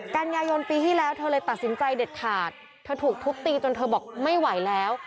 กันยายนปีที่แล้วเธอเลยตัดสินใจเด็ดขาดเธอถูกทุบตีจนเธอบอกไม่ไหวแล้ว